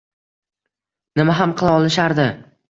Nima ham qila olishardi